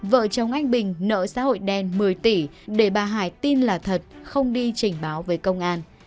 vợ chồng anh bình nợ xã hội đen một mươi tỷ để bà hải tin là thật không đi trình báo với công an